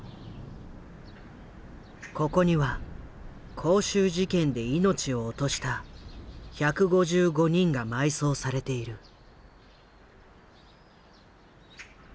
ここには光州事件で命を落とした１５５人が埋葬されている。